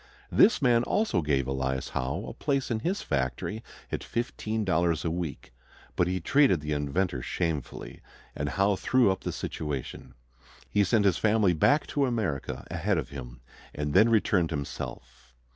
This man also gave Elias Howe a place in his factory at $15 a week. But he treated the inventor shamefully, and Howe threw up the situation. He sent his family back to America ahead of him, and then returned himself.